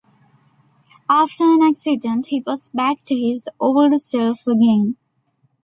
After an accident, he was back to his old self again.